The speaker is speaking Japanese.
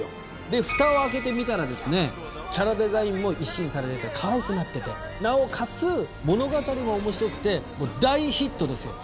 で、ふたを開けてみたらですねキャラデザインも一新されてて可愛くなっててなおかつ、物語も面白くてもう大ヒットですよ。